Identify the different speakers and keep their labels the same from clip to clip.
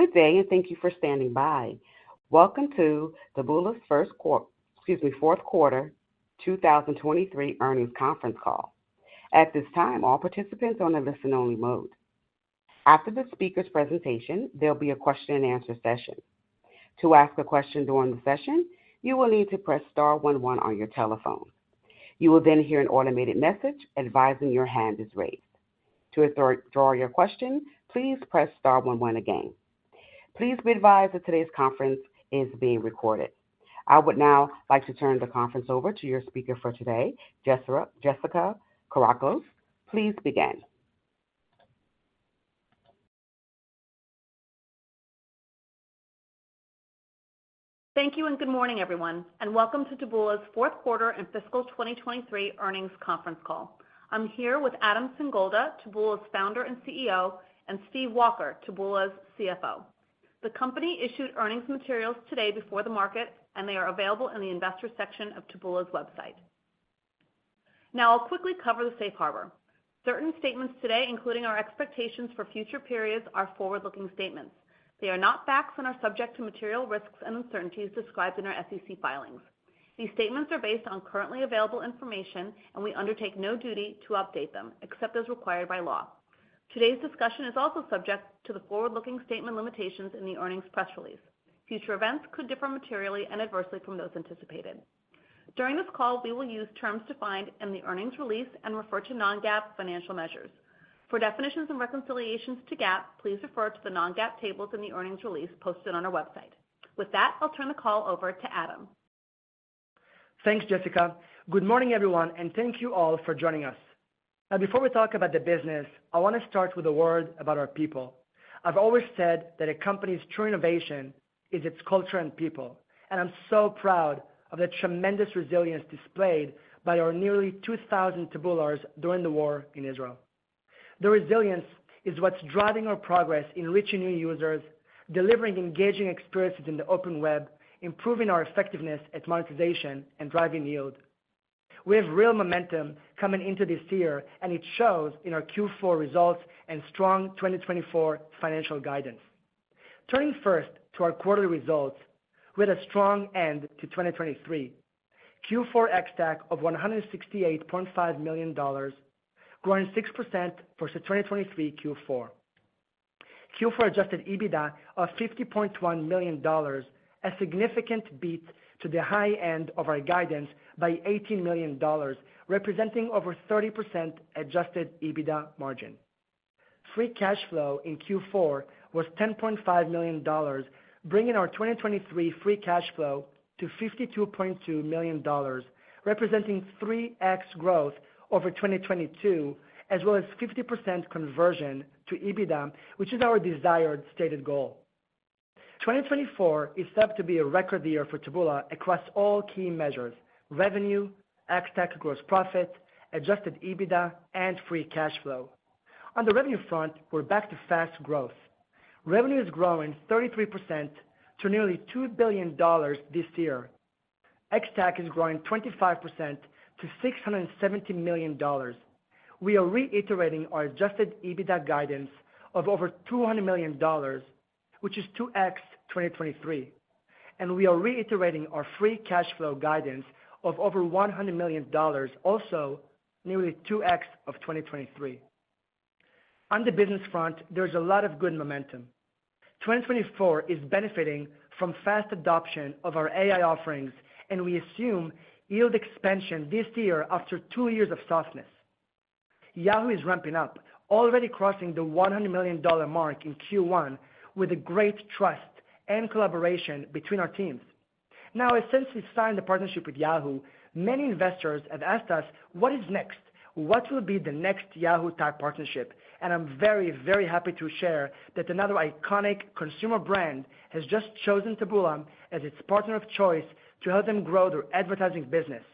Speaker 1: Good day and thank you for standing by. Welcome to Taboola's fourth quarter 2023 earnings conference call. At this time, all participants are in a listen-only mode. After the speaker's presentation, there'll be a question-and-answer session. To ask a question during the session, you will need to press star 11 on your telephone. You will then hear an automated message advising your hand is raised. To throw your question, please press star 11 again. Please be advised that today's conference is being recorded. I would now like to turn the conference over to your speaker for today, Jessica Kourakos. Please begin.
Speaker 2: Thank you and good morning, everyone, and welcome to Taboola's fourth quarter and fiscal 2023 earnings conference call. I'm here with Adam Singolda, Taboola's founder and CEO, and Steve Walker, Taboola's CFO. The company issued earnings materials today before the market, and they are available in the investor section of Taboola's website. Now I'll quickly cover the safe harbor. Certain statements today, including our expectations for future periods, are forward-looking statements. They are not facts and are subject to material risks and uncertainties described in our SEC filings. These statements are based on currently available information, and we undertake no duty to update them except as required by law. Today's discussion is also subject to the forward-looking statement limitations in the earnings press release. Future events could differ materially and adversely from those anticipated. During this call, we will use terms defined in the earnings release and refer to non-GAAP financial measures. For definitions and reconciliations to GAAP, please refer to the non-GAAP tables in the earnings release posted on our website. With that, I'll turn the call over to Adam.
Speaker 3: Thanks, Jessica. Good morning, everyone, and thank you all for joining us. Now, before we talk about the business, I want to start with a word about our people. I've always said that a company's true innovation is its culture and people, and I'm so proud of the tremendous resilience displayed by our nearly 2,000 Taboolars during the war in Israel. The resilience is what's driving our progress in reaching new users, delivering engaging experiences in the open web, improving our effectiveness at monetization, and driving yield. We have real momentum coming into this year, and it shows in our Q4 results and strong 2024 financial guidance. Turning first to our quarterly results, we had a strong end to 2023: Q4 ex-TAC of $168.5 million, growing 6% versus 2023 Q4. Q4 Adjusted EBITDA of $50.1 million, a significant beat to the high end of our guidance by $18 million, representing over 30% Adjusted EBITDA margin. Free cash flow in Q4 was $10.5 million, bringing our 2023 free cash flow to $52.2 million, representing 3x growth over 2022, as well as 50% conversion to EBITDA, which is our desired stated goal. 2024 is set up to be a record year for Taboola across all key measures: revenue, Ex-TAC gross profit, Adjusted EBITDA, and free cash flow. On the revenue front, we're back to fast growth. Revenue is growing 33% to nearly $2 billion this year. Ex-TAC is growing 25% to $670 million. We are reiterating our Adjusted EBITDA guidance of over $200 million, which is 2x 2023, and we are reiterating our free cash flow guidance of over $100 million, also nearly 2x of 2023. On the business front, there is a lot of good momentum. 2024 is benefiting from fast adoption of our AI offerings, and we assume yield expansion this year after two years of softness. Yahoo!! is ramping up, already crossing the $100 million mark in Q1 with the great trust and collaboration between our teams. Now, since we signed the partnership with Yahoo!, many investors have asked us, "What is next? What will be the next Yahoo! type partnership?" and I'm very, very happy to share that another iconic consumer brand has just chosen Taboola as its partner of choice to help them grow their advertising business.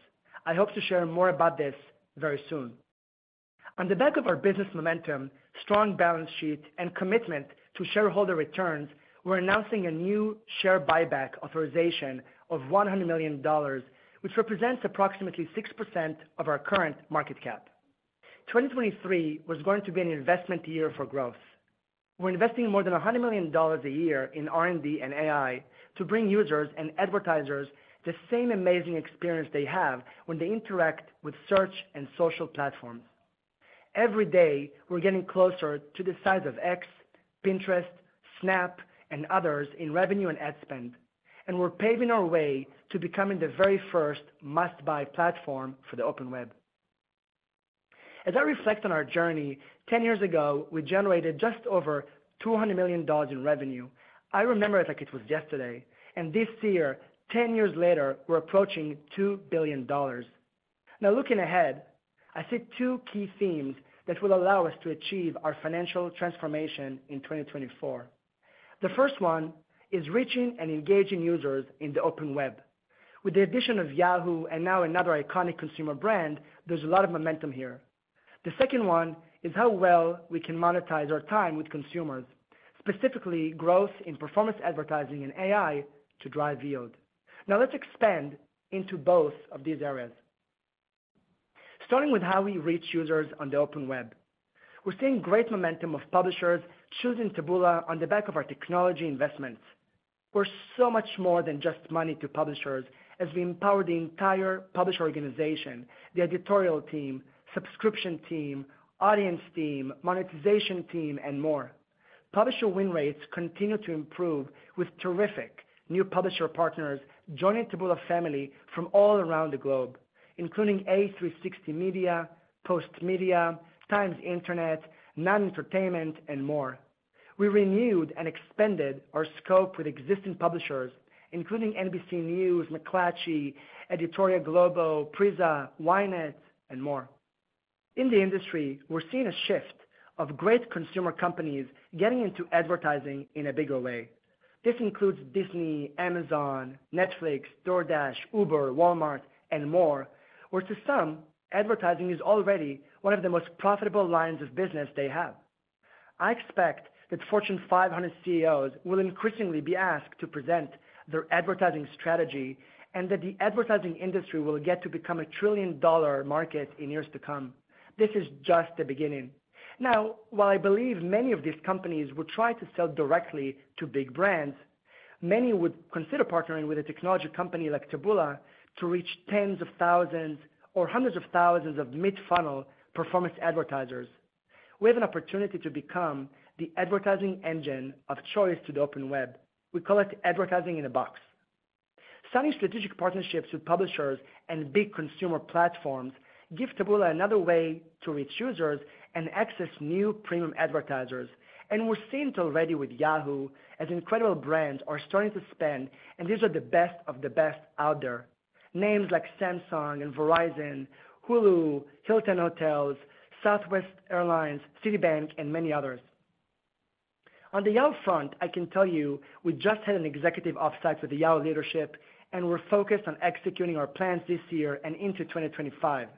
Speaker 3: I hope to share more about this very soon. On the back of our business momentum, strong balance sheet, and commitment to shareholder returns, we're announcing a new share buyback authorization of $100 million, which represents approximately 6% of our current market cap. 2023 was going to be an investment year for growth. We're investing more than $100 million a year in R&D and AI to bring users and advertisers the same amazing experience they have when they interact with search and social platforms. Every day, we're getting closer to the size of X, Pinterest, Snap, and others in revenue and ad spend, and we're paving our way to becoming the very first must-buy platform for the open web. As I reflect on our journey, 10 years ago, we generated just over $200 million in revenue. I remember it like it was yesterday, and this year, 10 years later, we're approaching $2 billion. Now, looking ahead, I see two key themes that will allow us to achieve our financial transformation in 2024. The first one is reaching and engaging users in the open web. With the addition of Yahoo! and now another iconic consumer brand, there's a lot of momentum here. The second one is how well we can monetize our time with consumers, specifically growth in performance advertising and AI to drive yield. Now, let's expand into both of these areas. Starting with how we reach users on the open web. We're seeing great momentum of publishers choosing Taboola on the back of our technology investments. We're so much more than just money to publishers as we empower the entire publisher organization, the editorial team, subscription team, audience team, monetization team, and more. Publisher win rates continue to improve with terrific new publisher partners joining Taboola family from all around the globe, including a360media, Postmedia, Times Internet, Nine Entertainment, and more. We renewed and expanded our scope with existing publishers, including NBC News, McClatchy, Editora Globo, Prisa, Ynet, and more. In the industry, we're seeing a shift of great consumer companies getting into advertising in a bigger way. This includes Disney, Amazon, Netflix, DoorDash, Uber, Walmart, and more, where to some, advertising is already one of the most profitable lines of business they have. I expect that Fortune 500 CEOs will increasingly be asked to present their advertising strategy and that the advertising industry will get to become a $1 trillion market in years to come. This is just the beginning. Now, while I believe many of these companies would try to sell directly to big brands, many would consider partnering with a technology company like Taboola to reach tens of thousands or hundreds of thousands of mid-funnel performance advertisers. We have an opportunity to become the advertising engine of choice to the open web. We call it advertising in a box. Signing strategic partnerships with publishers and big consumer platforms gives Taboola another way to reach users and access new premium advertisers, and we're seeing it already with Yahoo! as incredible brands are starting to spend, and these are the best of the best out there: names like Samsung and Verizon, Hulu, Hilton Hotels, Southwest Airlines, Citibank, and many others. On the Yahoo! front, I can tell you we just had an executive offsite with the Yahoo! leadership, and we're focused on executing our plans this year and into 2025.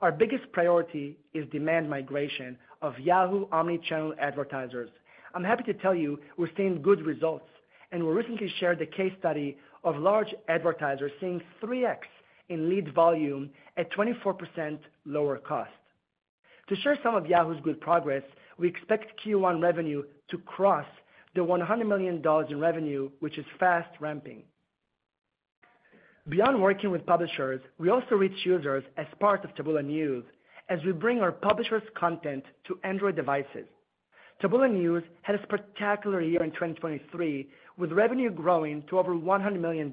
Speaker 3: Our biggest priority is demand migration of Yahoo! omnichannel advertisers. I'm happy to tell you we're seeing good results, and we recently shared a case study of large advertisers seeing 3X in lead volume at 24% lower cost. To share some of Yahoo!'s good progress, we expect Q1 revenue to cross the $100 million in revenue, which is fast ramping. Beyond working with publishers, we also reach users as part of Taboola News as we bring our publisher's content to Android devices. Taboola News had a spectacular year in 2023 with revenue growing to over $100 million.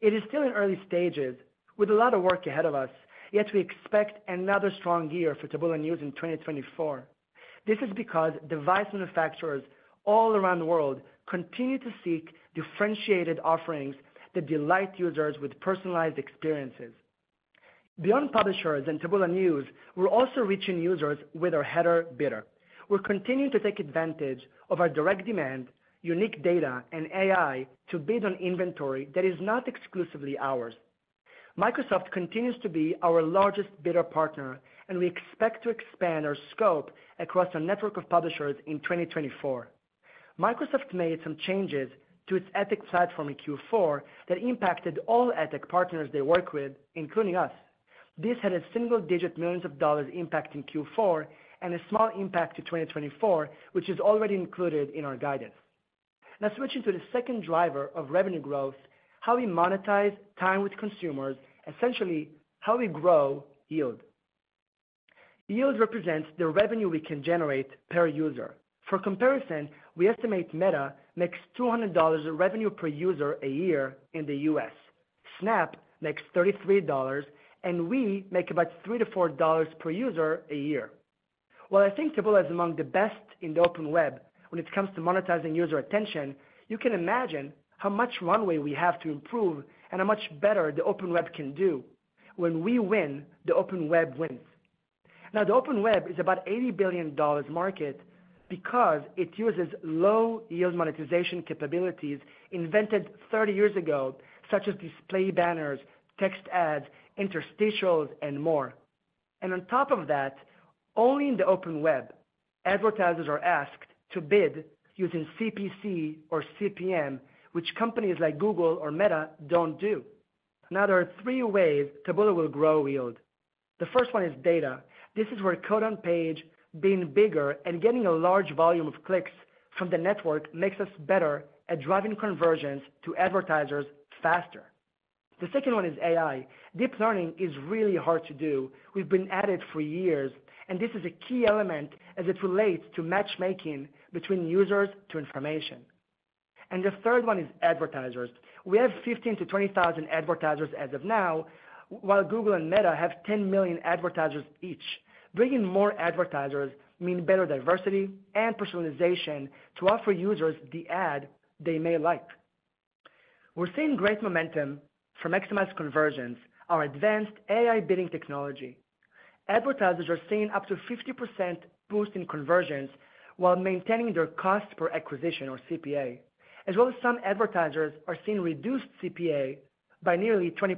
Speaker 3: It is still in early stages with a lot of work ahead of us, yet we expect another strong year for Taboola News in 2024. This is because device manufacturers all around the world continue to seek differentiated offerings that delight users with personalized experiences. Beyond publishers and Taboola News, we're also reaching users with our header bidder. We're continuing to take advantage of our direct demand, unique data, and AI to bid on inventory that is not exclusively ours. Microsoft continues to be our largest bidder partner, and we expect to expand our scope across our network of publishers in 2024. Microsoft made some changes to its ethics platform in Q4 that impacted all ethics partners they work with, including us. This had a single-digit millions of dollars impact in Q4 and a small impact to 2024, which is already included in our guidance. Now, switching to the second driver of revenue growth: how we monetize time with consumers, essentially how we grow yield. Yield represents the revenue we can generate per user. For comparison, we estimate Meta makes $200 of revenue per user a year in the U.S., Snap makes $33, and we make about $3-$4 per user a year. While I think Taboola is among the best in the open web when it comes to monetizing user attention, you can imagine how much runway we have to improve and how much better the open web can do. When we win, the open web wins. Now, the open web is about $80 billion market because it uses low-yield monetization capabilities invented 30 years ago, such as display banners, text ads, interstitials, and more. On top of that, only in the open web, advertisers are asked to bid using CPC or CPM, which companies like Google or Meta don't do. Now, there are three ways Taboola will grow yield. The first one is data. This is where code-on-page, being bigger and getting a large volume of clicks from the network, makes us better at driving conversions to advertisers faster. The second one is AI. Deep learning is really hard to do. We've been at it for years, and this is a key element as it relates to matchmaking between users to information. The third one is advertisers. We have 15,000-20,000 advertisers as of now, while Google and Meta have 10 million advertisers each. Bringing more advertisers means better diversity and personalization to offer users the ad they may like. We're seeing great momentum from Maximize Conversions, our advanced AI bidding technology. Advertisers are seeing up to 50% boost in conversions while maintaining their cost per acquisition, or CPA, as well as some advertisers are seeing reduced CPA by nearly 20%.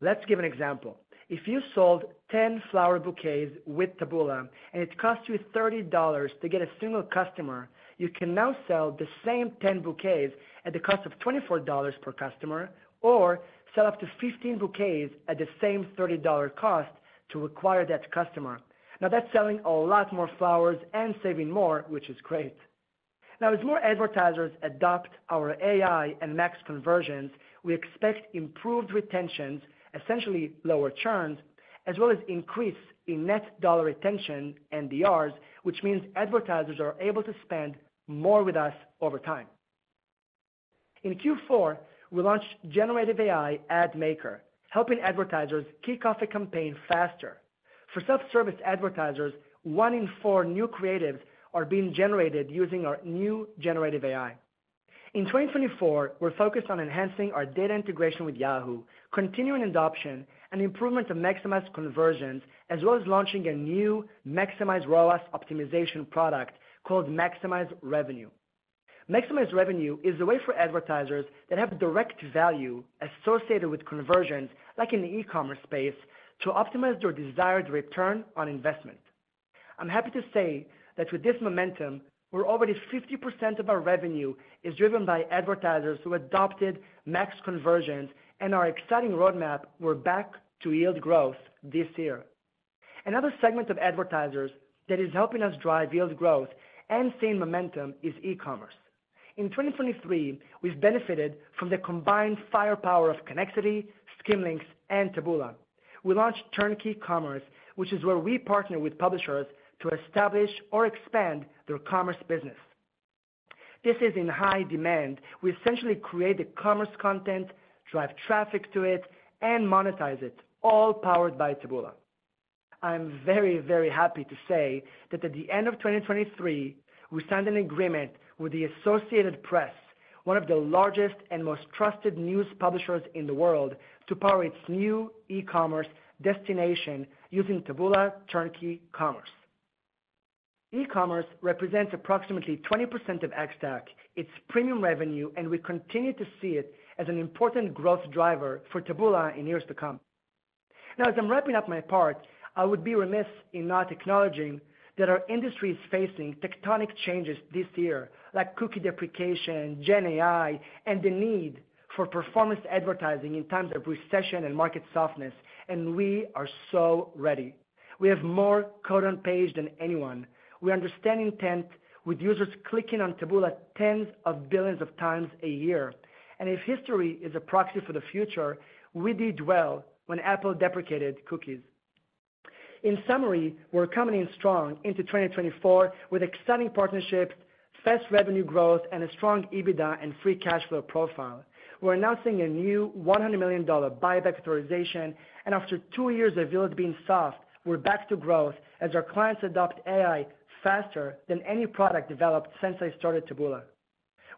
Speaker 3: Let's give an example. If you sold 10 flower bouquets with Taboola and it cost you $30 to get a single customer, you can now sell the same 10 bouquets at the cost of $24 per customer or sell up to 15 bouquets at the same $30 cost to acquire that customer. Now, that's selling a lot more flowers and saving more, which is great. Now, as more advertisers adopt our AI and Max Conversions, we expect improved retentions, essentially lower churns, as well as increase in net dollar retention, NDRs, which means advertisers are able to spend more with us over time. In Q4, we launched Generative AI Ad Maker, helping advertisers kick off a campaign faster. For self-service advertisers, one in four new creatives are being generated using our new Generative AI. In 2024, we're focused on enhancing our data integration with Yahoo!, continuing adoption, and improvement of Maximize Conversions, as well as launching a new maximized ROAS optimization product called Maximize Revenue. Maximize Revenue is a way for advertisers that have direct value associated with conversions, like in the e-commerce space, to optimize their desired return on investment. I'm happy to say that with this momentum, we're already 50% of our revenue is driven by advertisers who adopted Max Conversions, and our exciting roadmap, we're back to yield growth this year. Another segment of advertisers that is helping us drive yield growth and seeing momentum is e-commerce. In 2023, we've benefited from the combined firepower of Connexity, Skimlinks, and Taboola. We launched Turnkey Commerce, which is where we partner with publishers to establish or expand their commerce business. This is in high demand. We essentially create the commerce content, drive traffic to it, and monetize it, all powered by Taboola. I'm very, very happy to say that at the end of 2023, we signed an agreement with the Associated Press, one of the largest and most trusted news publishers in the world, to power its new e-commerce destination using Taboola Turnkey Commerce. E-commerce represents approximately 20% of Ex-TAC, its premium revenue, and we continue to see it as an important growth driver for Taboola in years to come. Now, as I'm wrapping up my part, I would be remiss in not acknowledging that our industry is facing tectonic changes this year, like cookie deprecation, GenAI, and the need for performance advertising in times of recession and market softness, and we are so ready. We have more code-on-page than anyone. We understand intent with users clicking on Taboola tens of billions of times a year, and if history is a proxy for the future, we did well when Apple deprecated cookies. In summary, we're coming in strong into 2024 with exciting partnerships, fast revenue growth, and a strong EBITDA and free cash flow profile. We're announcing a new $100 million buyback authorization, and after two years of yield being soft, we're back to growth as our clients adopt AI faster than any product developed since I started Taboola.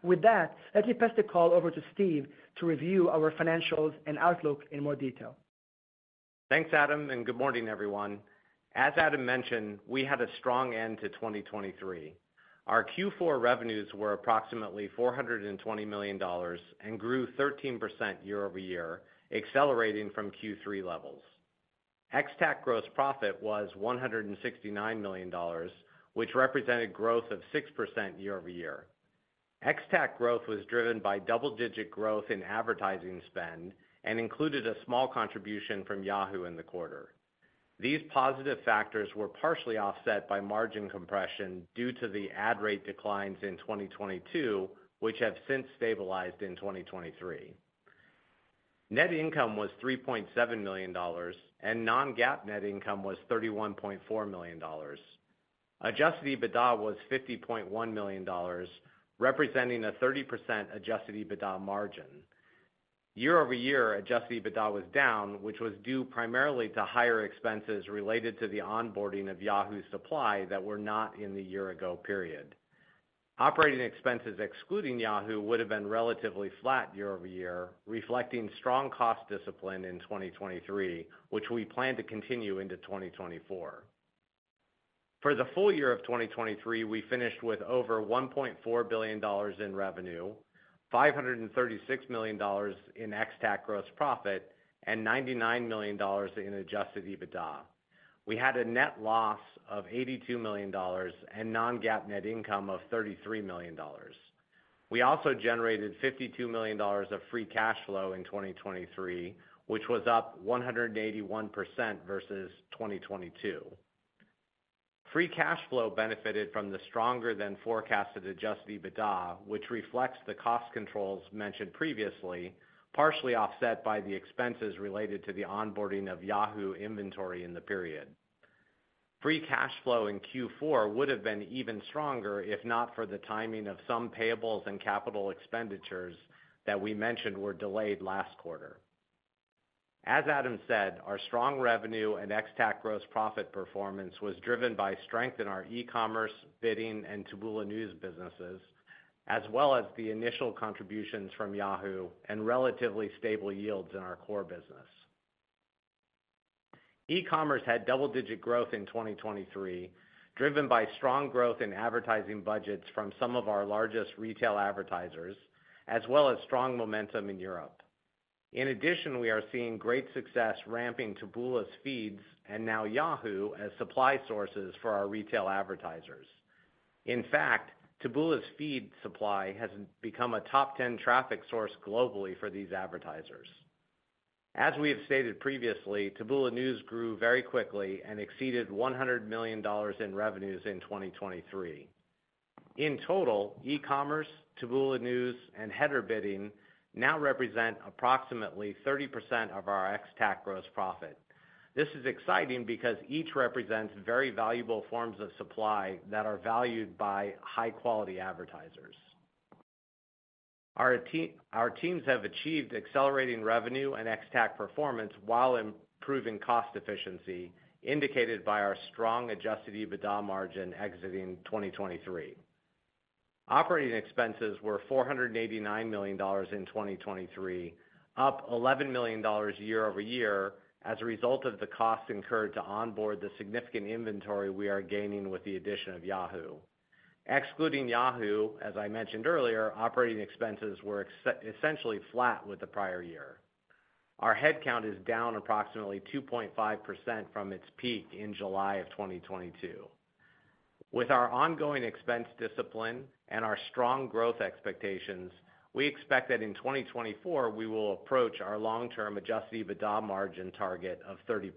Speaker 3: With that, let me pass the call over to Steve to review our financials and outlook in more detail.
Speaker 4: Thanks, Adam, and good morning, everyone. As Adam mentioned, we had a strong end to 2023. Our Q4 revenues were approximately $420 million and grew 13% year-over-year, accelerating from Q3 levels. Ex-TAC gross profit was $169 million, which represented growth of 6% year-over-year. Ex-TAC growth was driven by double-digit growth in advertising spend and included a small contribution from Yahoo! in the quarter. These positive factors were partially offset by margin compression due to the ad rate declines in 2022, which have since stabilized in 2023. Net income was $3.7 million, and non-GAAP net income was $31.4 million. Adjusted EBITDA was $50.1 million, representing a 30% adjusted EBITDA margin. Year-over-year, adjusted EBITDA was down, which was due primarily to higher expenses related to the onboarding of Yahoo! supply that were not in the year-ago period. Operating expenses excluding Yahoo! would have been relatively flat year-over-year, reflecting strong cost discipline in 2023, which we plan to continue into 2024. For the full year of 2023, we finished with over $1.4 billion in revenue, $536 million in Ex-TAC gross profit, and $99 million in Adjusted EBITDA. We had a net loss of $82 million and Non-GAAP Net Income of $33 million. We also generated $52 million of Free Cash Flow in 2023, which was up 181% versus 2022. Free Cash Flow benefited from the stronger-than-forecasted Adjusted EBITDA, which reflects the cost controls mentioned previously, partially offset by the expenses related to the onboarding of Yahoo! inventory in the period. Free Cash Flow in Q4 would have been even stronger if not for the timing of some payables and capital expenditures that we mentioned were delayed last quarter. As Adam said, our strong revenue and Ex-TAC gross profit performance was driven by strength in our e-commerce, bidding, and Taboola News businesses, as well as the initial contributions from Yahoo! and relatively stable yields in our core business. E-commerce had double-digit growth in 2023, driven by strong growth in advertising budgets from some of our largest retail advertisers, as well as strong momentum in Europe. In addition, we are seeing great success ramping Taboola's feeds and now Yahoo! as supply sources for our retail advertisers. In fact, Taboola's feed supply has become a top 10 traffic source globally for these advertisers. As we have stated previously, Taboola News grew very quickly and exceeded $100 million in revenues in 2023. In total, e-commerce, Taboola News, and header bidding now represent approximately 30% of our Ex-TAC gross profit. This is exciting because each represents very valuable forms of supply that are valued by high-quality advertisers. Our teams have achieved accelerating revenue and Ex-TAC performance while improving cost efficiency, indicated by our strong adjusted EBITDA margin exiting 2023. Operating expenses were $489 million in 2023, up $11 million year-over-year as a result of the costs incurred to onboard the significant inventory we are gaining with the addition of Yahoo!. Excluding Yahoo!, as I mentioned earlier, operating expenses were essentially flat with the prior year. Our headcount is down approximately 2.5% from its peak in July of 2022. With our ongoing expense discipline and our strong growth expectations, we expect that in 2024 we will approach our long-term adjusted EBITDA margin target of 30%.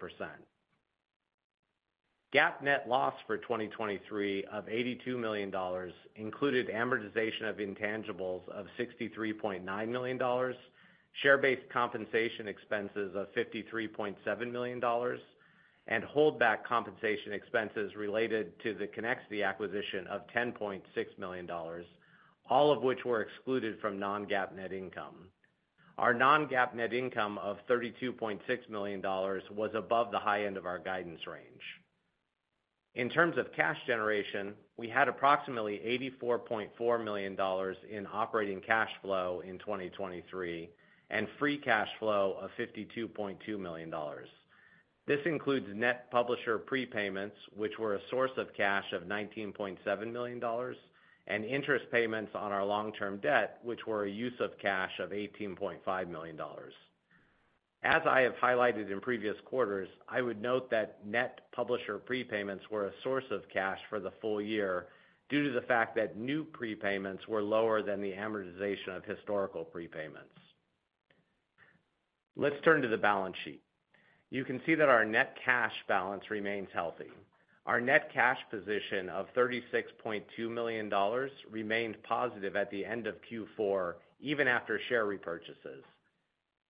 Speaker 4: GAAP net loss for 2023 of $82 million included amortization of intangibles of $63.9 million, share-based compensation expenses of $53.7 million, and holdback compensation expenses related to the Connexity acquisition of $10.6 million, all of which were excluded from non-GAAP net income. Our non-GAAP net income of $32.6 million was above the high end of our guidance range. In terms of cash generation, we had approximately $84.4 million in operating cash flow in 2023 and free cash flow of $52.2 million. This includes net publisher prepayments, which were a source of cash of $19.7 million, and interest payments on our long-term debt, which were a use of cash of $18.5 million. As I have highlighted in previous quarters, I would note that net publisher prepayments were a source of cash for the full year due to the fact that new prepayments were lower than the amortization of historical prepayments. Let's turn to the balance sheet. You can see that our net cash balance remains healthy. Our net cash position of $36.2 million remained positive at the end of Q4, even after share repurchases.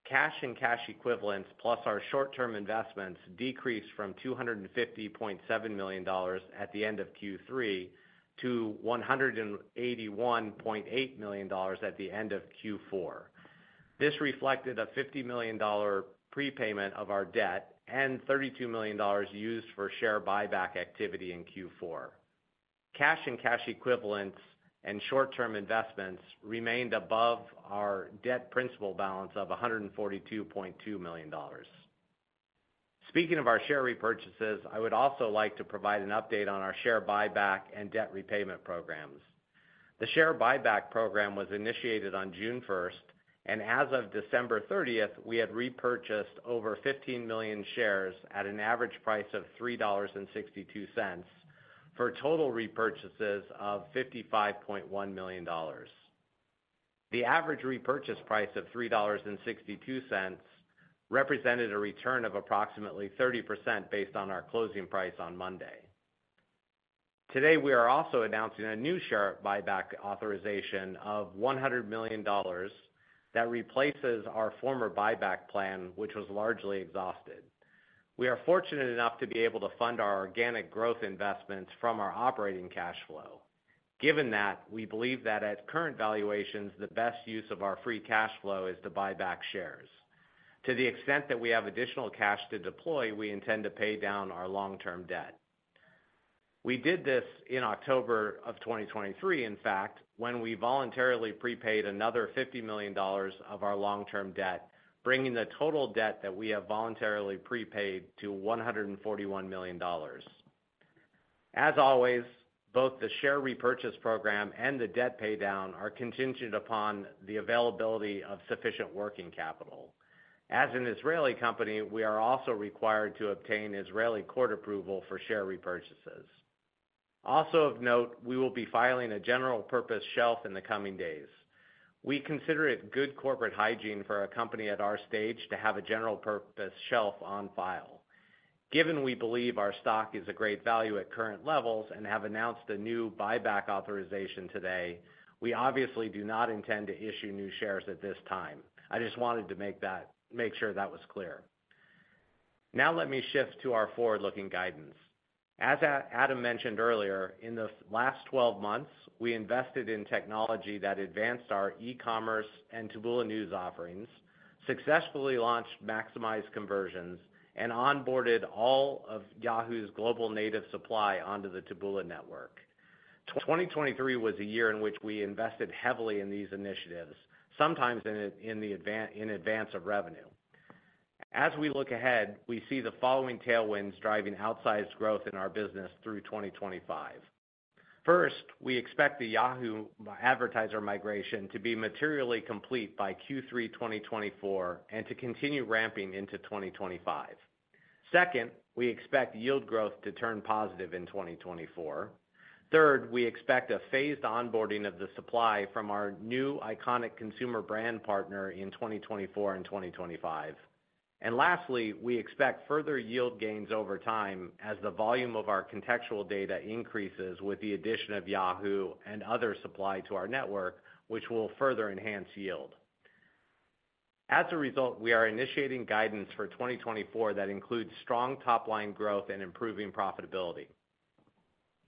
Speaker 4: Cash and cash equivalents plus our short-term investments decreased from $250.7 million at the end of Q3 to $181.8 million at the end of Q4. This reflected a $50 million prepayment of our debt and $32 million used for share buyback activity in Q4. Cash and cash equivalents and short-term investments remained above our debt principal balance of $142.2 million. Speaking of our share repurchases, I would also like to provide an update on our share buyback and debt repayment programs. The share buyback program was initiated on June 1st, and as of December 30th, we had repurchased over 15 million shares at an average price of $3.62 for total repurchases of $55.1 million. The average repurchase price of $3.62 represented a return of approximately 30% based on our closing price on Monday. Today, we are also announcing a new share buyback authorization of $100 million that replaces our former buyback plan, which was largely exhausted. We are fortunate enough to be able to fund our organic growth investments from our operating cash flow. Given that, we believe that at current valuations, the best use of our free cash flow is to buy back shares. To the extent that we have additional cash to deploy, we intend to pay down our long-term debt. We did this in October of 2023, in fact, when we voluntarily prepaid another $50 million of our long-term debt, bringing the total debt that we have voluntarily prepaid to $141 million. As always, both the share repurchase program and the debt paydown are contingent upon the availability of sufficient working capital. As an Israeli company, we are also required to obtain Israeli court approval for share repurchases. Also of note, we will be filing a general-purpose shelf in the coming days. We consider it good corporate hygiene for a company at our stage to have a general-purpose shelf on file. Given we believe our stock is of great value at current levels and have announced a new buyback authorization today, we obviously do not intend to issue new shares at this time. I just wanted to make sure that was clear. Now, let me shift to our forward-looking guidance. As Adam mentioned earlier, in the last 12 months, we invested in technology that advanced our e-commerce and Taboola News offerings, successfully launched Maximize Conversions, and onboarded all of Yahoo!'s global native supply onto the Taboola network. 2023 was a year in which we invested heavily in these initiatives, sometimes in advance of revenue. As we look ahead, we see the following tailwinds driving outsized growth in our business through 2025. First, we expect the Yahoo! advertiser migration to be materially complete by Q3 2024 and to continue ramping into 2025. Second, we expect yield growth to turn positive in 2024. Third, we expect a phased onboarding of the supply from our new iconic consumer brand partner in 2024 and 2025. And lastly, we expect further yield gains over time as the volume of our contextual data increases with the addition of Yahoo! Other supply to our network, which will further enhance yield. As a result, we are initiating guidance for 2024 that includes strong top-line growth and improving profitability.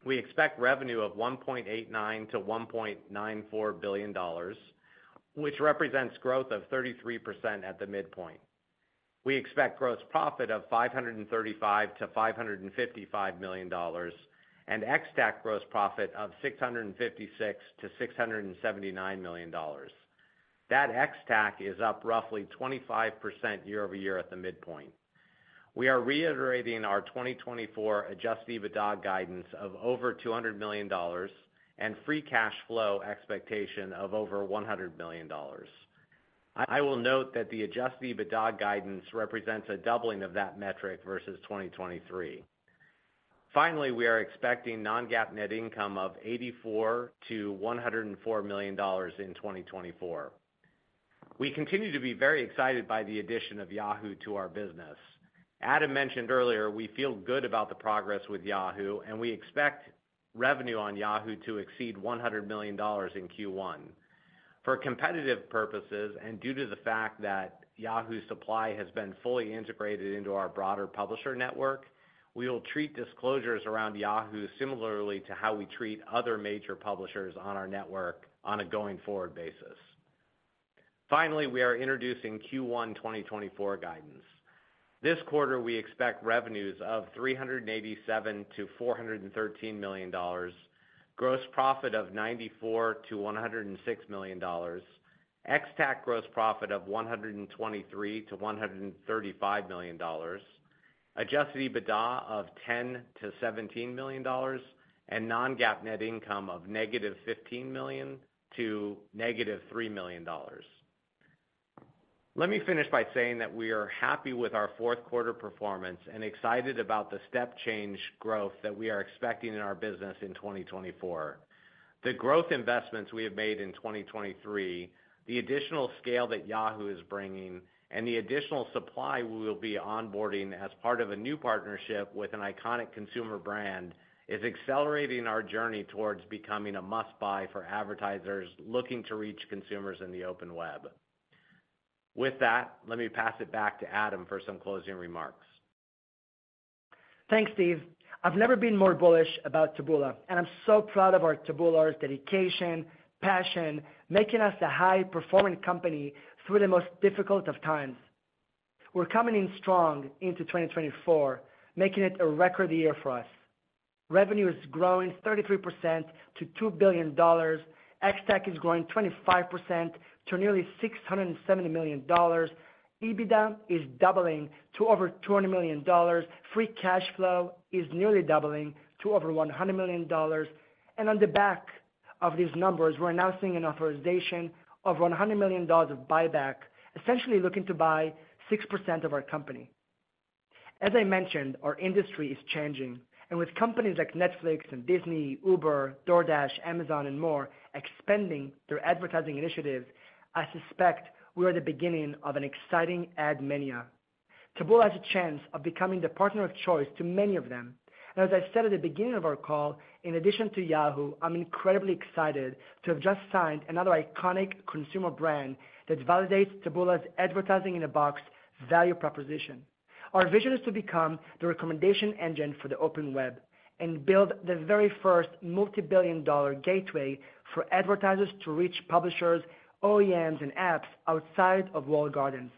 Speaker 4: We expect revenue of $1.89-$1.94 billion, which represents growth of 33% at the midpoint. We expect gross profit of $535million-$555 million and Ex-TAC gross profit of $656 million-$679 million. That Ex-TAC is up roughly 25% year-over-year at the midpoint. We are reiterating our 2024 Adjusted EBITDA guidance of over $200 million and Free Cash Flow expectation of over $100 million. I will note that the Adjusted EBITDA guidance represents a doubling of that metric versus 2023. Finally, we are expecting Non-GAAP Net Income of $84million-$104 million in 2024. We continue to be very excited by the addition of Yahoo to our business. Adam mentioned earlier, we feel good about the progress with Yahoo!, and we expect revenue on Yahoo! to exceed $100 million in Q1. For competitive purposes and due to the fact that Yahoo! supply has been fully integrated into our broader publisher network, we will treat disclosures around Yahoo! similarly to how we treat other major publishers on our network on a going forward basis. Finally, we are introducing Q1 2024 guidance. This quarter, we expect revenues of $387million-$413 million, gross profit of $94million-$106 million, Ex-TAC gross profit of $123million-$135 million, adjusted EBITDA of $10million-$17 million, and non-GAAP net income of -$15 million to -$3 million. Let me finish by saying that we are happy with our fourth-quarter performance and excited about the step-change growth that we are expecting in our business in 2024. The growth investments we have made in 2023, the additional scale that Yahoo! is bringing, and the additional supply we will be onboarding as part of a new partnership with an iconic consumer brand is accelerating our journey towards becoming a must-buy for advertisers looking to reach consumers in the open web. With that, let me pass it back to Adam for some closing remarks.
Speaker 3: Thanks, Steve. I've never been more bullish about Taboola, and I'm so proud of our Taboola-ers' dedication, passion, making us a high-performing company through the most difficult of times. We're coming in strong into 2024, making it a record year for us. Revenue is growing 33% to $2 billion, Ex-TAC is growing 25% to nearly $670 million, EBITDA is doubling to over $200 million, free cash flow is nearly doubling to over $100 million, and on the back of these numbers, we're announcing an authorization of $100 million of buyback, essentially looking to buy 6% of our company. As I mentioned, our industry is changing, and with companies like Netflix and Disney, Uber, DoorDash, Amazon, and more expanding their advertising initiatives, I suspect we are the beginning of an exciting ad mania. Taboola has a chance of becoming the partner of choice to many of them, and as I said at the beginning of our call, in addition to Yahoo!, I'm incredibly excited to have just signed another iconic consumer brand that validates Taboola's advertising-in-a-box value proposition. Our vision is to become the recommendation engine for the open web and build the very first multi-billion dollar gateway for advertisers to reach publishers, OEMs, and apps outside of walled gardens.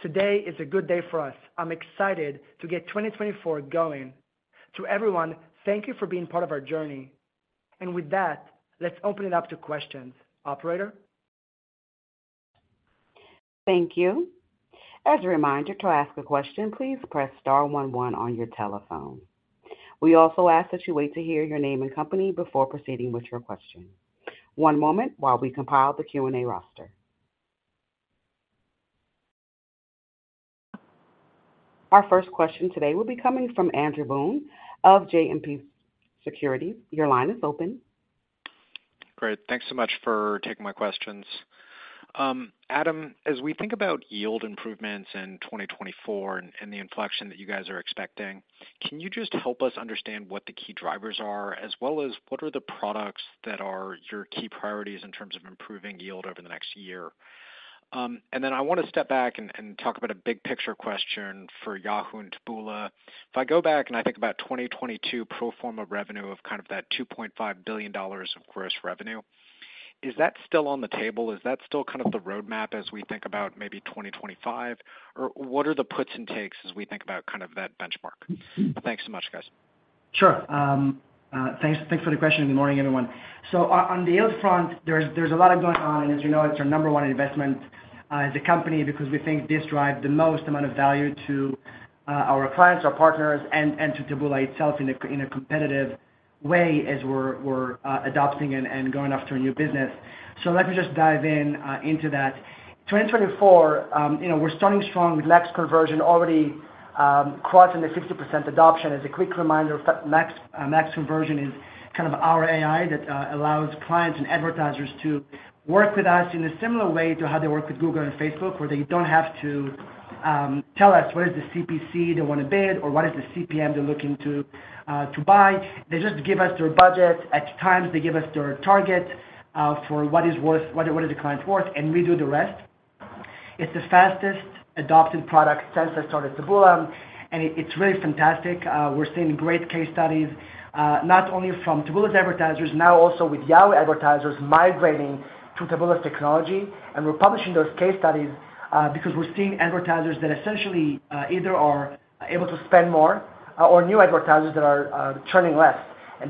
Speaker 3: Today is a good day for us. I'm excited to get 2024 going. To everyone, thank you for being part of our journey. With that, let's open it up to questions. Operator?
Speaker 1: Thank you. As a reminder, to ask a question, please press star 11 on your telephone. We also ask that you wait to hear your name and company before proceeding with your question. One moment while we compile the Q&A roster. Our first question today will be coming from Andrew Boone of JMP Securities. Your line is open.
Speaker 5: Great. Thanks so much for taking my questions. Adam, as we think about yield improvements in 2024 and the inflection that you guys are expecting, can you just help us understand what the key drivers are, as well as what are the products that are your key priorities in terms of improving yield over the next year? And then I want to step back and talk about a big-picture question for Yahoo! and Taboola. If I go back and I think about 2022 pro forma revenue of kind of that $2.5 billion of gross revenue, is that still on the table? Is that still kind of the roadmap as we think about maybe 2025, or what are the puts and takes as we think about kind of that benchmark? Thanks so much, guys.
Speaker 3: Sure. Thanks for the question. Good morning, everyone. On the yield front, there's a lot going on, and as you know, it's our number one investment as a company because we think this drives the most amount of value to our clients, our partners, and to Taboola itself in a competitive way as we're adopting and going off to a new business. Let me just dive into that. 2024, we're starting strong with max conversion already crossing the 50% adoption. As a quick reminder, max conversion is kind of our AI that allows clients and advertisers to work with us in a similar way to how they work with Google and Facebook, where they don't have to tell us what is the CPC they want to bid or what is the CPM they're looking to buy. They just give us their budget. At times, they give us their target for what is the client's worth, and we do the rest. It's the fastest adopted product since I started Taboola, and it's really fantastic. We're seeing great case studies, not only from Taboola's advertisers, now also with Yahoo! advertisers migrating to Taboola's technology. We're publishing those case studies because we're seeing advertisers that essentially either are able to spend more or new advertisers that are churning less.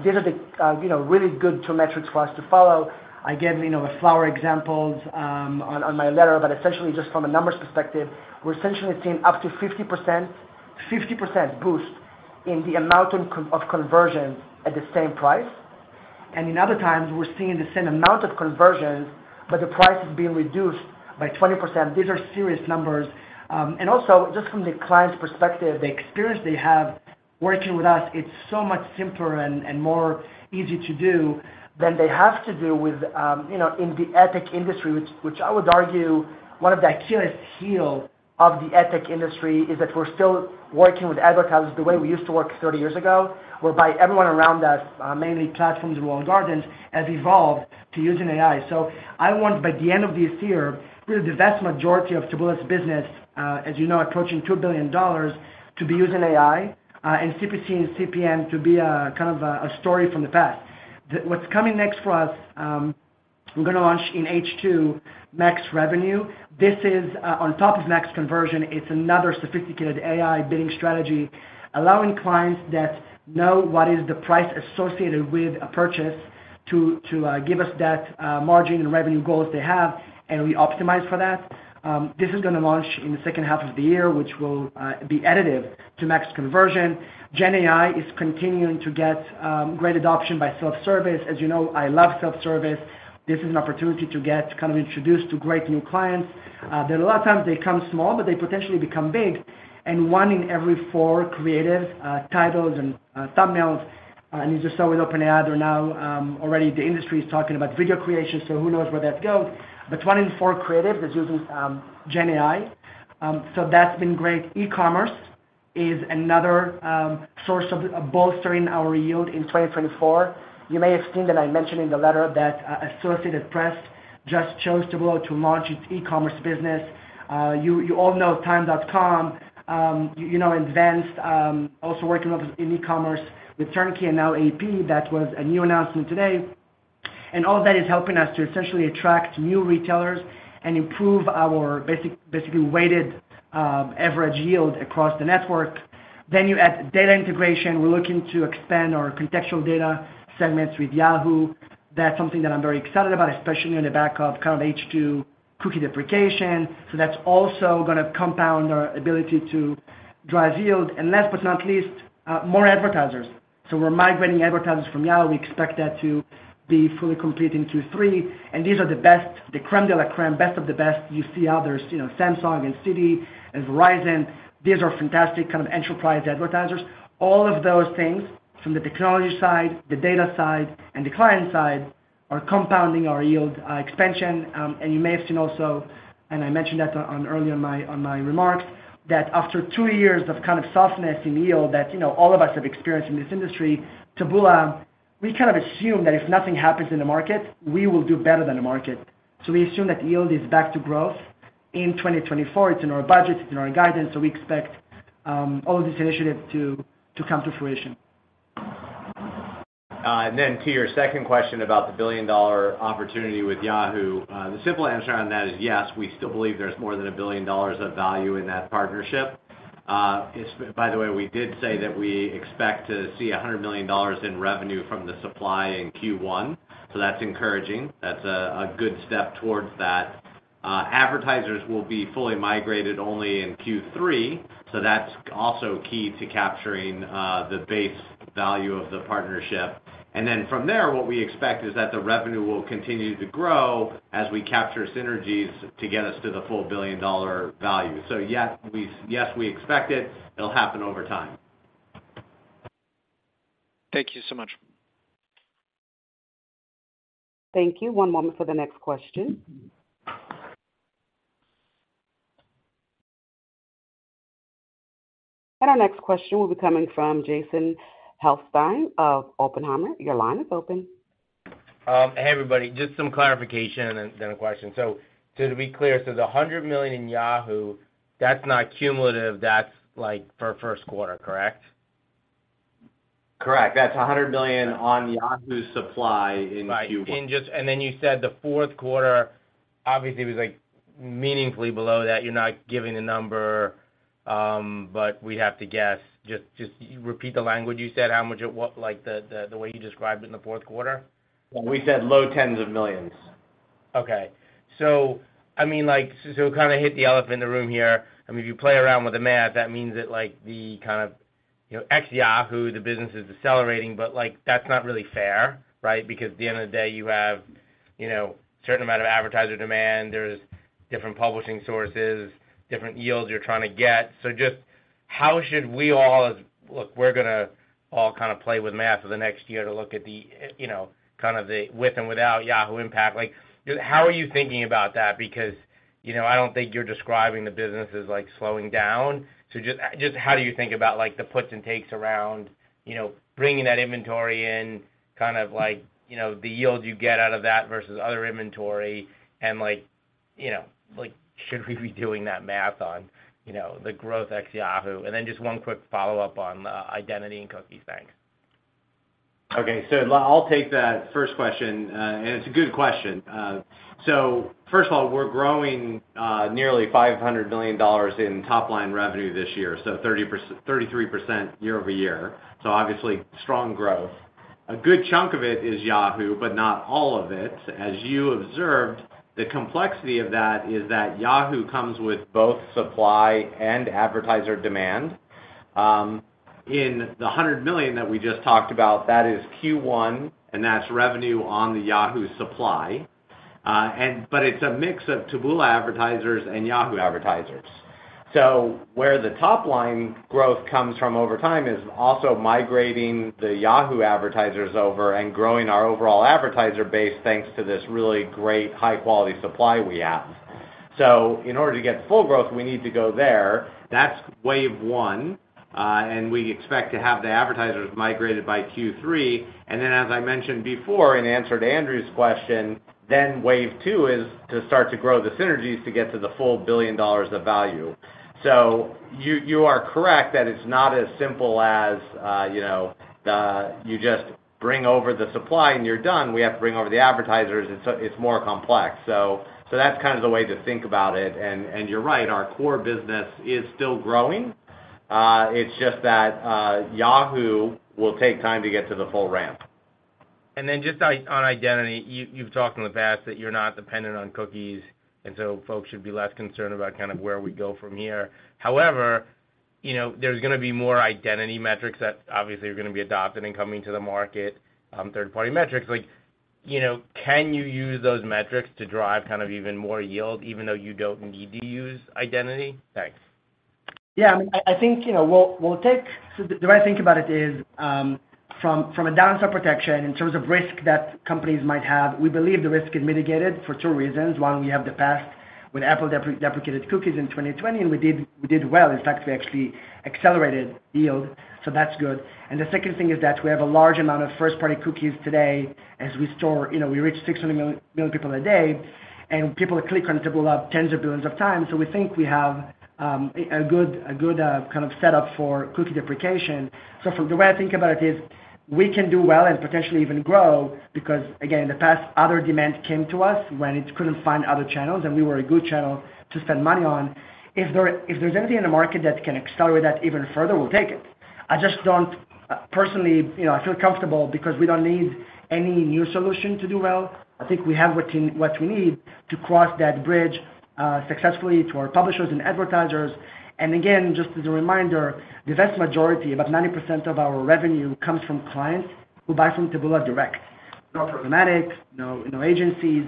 Speaker 3: These are really good two metrics for us to follow. I gave a flower example on my letter, but essentially, just from a numbers perspective, we're essentially seeing up to 50% boost in the amount of conversions at the same price. In other times, we're seeing the same amount of conversions, but the price is being reduced by 20%. These are serious numbers. And also, just from the client's perspective, the experience they have working with us, it's so much simpler and more easy to do than they have to do with in the edtech industry, which I would argue one of the Achilles' heels of the edtech industry is that we're still working with advertisers the way we used to work 30 years ago, whereby everyone around us, mainly platforms and walled gardens, have evolved to using AI. So I want, by the end of this year, really the vast majority of Taboola's business, as you know, approaching $2 billion, to be using AI and CPC and CPM to be kind of a story from the past. What's coming next for us, we're going to launch in H2 Max Revenue. On top of Max Conversions, it's another sophisticated AI bidding strategy, allowing clients that know what is the price associated with a purchase to give us that margin and revenue goals they have, and we optimize for that. This is going to launch in the second half of the year, which will be additive to Max Conversions. GenAI is continuing to get great adoption by self-service. As you know, I love self-service. This is an opportunity to get kind of introduced to great new clients. A lot of times, they come small, but they potentially become big. And 1 in every 4 creative titles and thumbnails, and either so with OpenAI or now already, the industry is talking about video creation, so who knows where that goes. But 1 in 4 creatives is using GenAI, so that's been great. E-commerce is another source of bolstering our yield in 2024. You may have seen that I mentioned in the letter that Associated Press just chose Taboola to launch its e-commerce business. You all know Time.com, Advance, also working in e-commerce with Turnkey and now AP. That was a new announcement today. And all of that is helping us to essentially attract new retailers and improve our basically weighted average yield across the network. Then you add data integration. We're looking to expand our contextual data segments with Yahoo. That's something that I'm very excited about, especially on the back of kind of H2 cookie deprecation. So that's also going to compound our ability to drive yield. And last but not least, more advertisers. So we're migrating advertisers from Yahoo. We expect that to be fully complete in Q3. And these are the best, the crème de la crème, best of the best. You see others, Samsung and Citi and Verizon. These are fantastic kind of enterprise advertisers. All of those things, from the technology side, the data side, and the client side, are compounding our yield expansion. And you may have seen also, and I mentioned that earlier in my remarks, that after two years of kind of softness in yield that all of us have experienced in this industry, Taboola, we kind of assume that if nothing happens in the market, we will do better than the market. So we assume that yield is back to growth in 2024. It's in our budget. It's in our guidance. So we expect all of these initiatives to come to fruition.
Speaker 4: Then to your second question about the billion-dollar opportunity with Yahoo, the simple answer on that is yes. We still believe there's more than $1 billion of value in that partnership. By the way, we did say that we expect to see $100 million in revenue from the supply in Q1, so that's encouraging. That's a good step towards that. Advertisers will be fully migrated only in Q3, so that's also key to capturing the base value of the partnership. And then from there, what we expect is that the revenue will continue to grow as we capture synergies to get us to the full billion-dollar value. So yes, we expect it. It'll happen over time.
Speaker 5: Thank you so much.
Speaker 1: Thank you. One moment for the next question. Our next question will be coming from Jason Helfstein of Oppenheimer. Your line is open.
Speaker 6: Hey, everybody. Just some clarification and then a question. So to be clear, so the $100 million in Yahoo, that's not cumulative. That's for first quarter, correct?
Speaker 4: Correct. That's $100 million on Yahoo's supply in Q1.
Speaker 6: Right. And then you said the fourth quarter, obviously, was meaningfully below that. You're not giving a number, but we have to guess. Just repeat the language you said, how much in the way you described it in the fourth quarter?
Speaker 4: We said low $10s of millions.
Speaker 6: Okay. So kind of hit the elephant in the room here. I mean, if you play around with the math, that means that the kind of ex-Yahoo, the business is accelerating, but that's not really fair, right? Because at the end of the day, you have a certain amount of advertiser demand. There's different publishing sources, different yields you're trying to get. So just how should we all look, we're going to all kind of play with math for the next year to look at the kind of the with and without Yahoo impact. How are you thinking about that? Because I don't think you're describing the business as slowing down. So just how do you think about the puts and takes around bringing that inventory in, kind of the yield you get out of that versus other inventory? And should we be doing that math on the growth ex-Yahoo? And then just one quick follow-up on identity and cookies. Thanks.
Speaker 4: Okay. So I'll take that first question, and it's a good question. So first of all, we're growing nearly $500 million in top-line revenue this year, so 33% year-over-year. So obviously, strong growth. A good chunk of it is Yahoo!, but not all of it. As you observed, the complexity of that is that Yahoo! comes with both supply and advertiser demand. In the $100 million that we just talked about, that is Q1, and that's revenue on the Yahoo! supply. But it's a mix of Taboola advertisers and Yahoo! advertisers. So where the top-line growth comes from over time is also migrating the Yahoo! advertisers over and growing our overall advertiser base thanks to this really great, high-quality supply we have. So in order to get full growth, we need to go there. That's wave one, and we expect to have the advertisers migrated by Q3. And then, as I mentioned before in answer to Andrew's question, then wave two is to start to grow the synergies to get to the full $1 billion of value. So you are correct that it's not as simple as you just bring over the supply and you're done. We have to bring over the advertisers. It's more complex. So that's kind of the way to think about it. And you're right. Our core business is still growing. It's just that Yahoo! will take time to get to the full ramp.
Speaker 6: And then just on identity, you've talked in the past that you're not dependent on cookies, and so folks should be less concerned about kind of where we go from here. However, there's going to be more identity metrics that obviously are going to be adopted and coming to the market, third-party metrics. Can you use those metrics to drive kind of even more yield even though you don't need to use identity? Thanks.
Speaker 3: Yeah. I mean, I think we'll take so the way I think about it is, from a downside protection, in terms of risk that companies might have, we believe the risk is mitigated for two reasons. One, we have the past when Apple deprecated cookies in 2020, and we did well. In fact, we actually accelerated yield, so that's good. And the second thing is that we have a large amount of first-party cookies today as we store we reach 600 million people a day, and people click on Taboola tens of billions of times. So we think we have a good kind of setup for cookie deprecation. So the way I think about it is we can do well and potentially even grow because, again, in the past, other demand came to us when it couldn't find other channels, and we were a good channel to spend money on. If there's anything in the market that can accelerate that even further, we'll take it. I just don't personally, I feel comfortable because we don't need any new solution to do well. I think we have what we need to cross that bridge successfully to our publishers and advertisers. And again, just as a reminder, the vast majority, about 90% of our revenue, comes from clients who buy from Taboola direct. No programmatic, no agencies,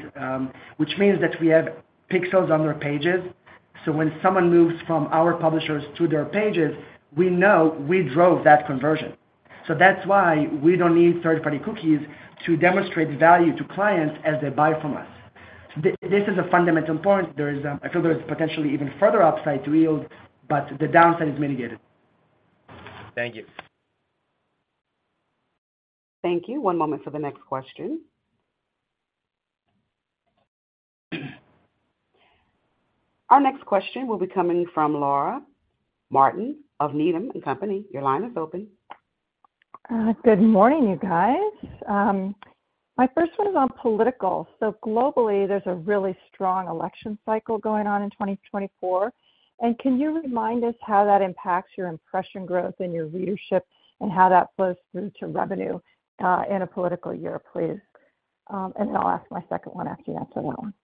Speaker 3: which means that we have pixels on their pages. So when someone moves from our publishers to their pages, we know we drove that conversion. So that's why we don't need third-party cookies to demonstrate value to clients as they buy from us. This is a fundamental point. I feel there's potentially even further upside to yield, but the downside is mitigated.
Speaker 6: Thank you.
Speaker 1: Thank you. One moment for the next question. Our next question will be coming from Laura Martin of Needham & Company. Your line is open.
Speaker 7: Good morning, you guys. My first one is on political. So globally, there's a really strong election cycle going on in 2024. And can you remind us how that impacts your impression growth and your readership and how that flows through to revenue in a political year, please? And then I'll ask my second one after you answer that one.